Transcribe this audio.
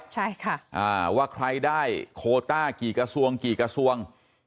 ใช่ค่ะอ่าว่าใครได้โคต้ากี่กระทรวงกี่กระทรวง